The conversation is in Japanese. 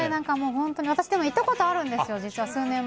私、行ったことあるんですよ。